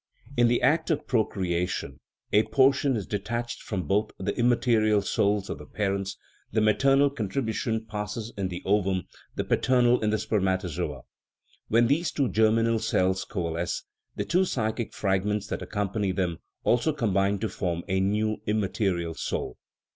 In the act of procreation a portion is detached from THE RIDDLE OF THE UNIVERSE both the (immaterial) souls of the parents; the ma ternal contribution passes in the ovum, the paternal in the spermatozoa; when these two germinal cells coalesce, the two psychic fragments that accompany them also combine to form a new (immaterial) soul.